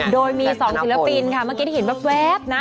โดยมี๒ศิลปินค่ะเมื่อกี้ที่เห็นแว๊บนะ